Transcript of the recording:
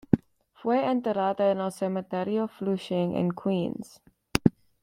Fue enterrada en el Cementerio Flushing en Queens.